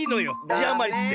じあまりっつって。